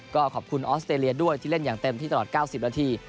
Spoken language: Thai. ก็ขอบคุณออสเตรเลียด้วยที่เล่นอย่างเต็มที่ตลอด๙๐นาที